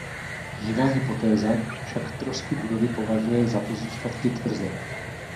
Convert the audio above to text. Jiná hypotéza však trosky budovy považuje za pozůstatek tvrze.